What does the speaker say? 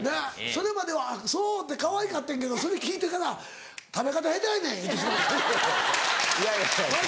それまでは「あっそう」ってかわいかってんけどそれ聞いてから「食べ方下手やねん！」言うてしまう。